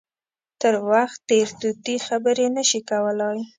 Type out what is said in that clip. تر وخت تېر طوطي خبرې نه شي کولای.